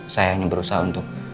saya hanya berusaha untuk